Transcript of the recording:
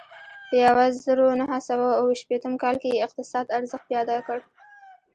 په یوه زرو نهه سوه اوه شپېتم کال کې یې اقتصاد ارزښت پیدا کړ.